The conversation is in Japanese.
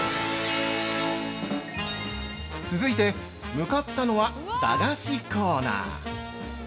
続いて、向かったのは駄菓子コーナー。